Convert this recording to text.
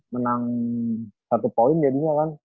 menang satu poin jadinya kan